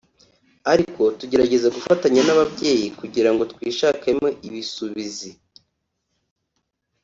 ariko tugerageza gufatanya n’ababyeyi kugira ngo twishakemo ibisubizi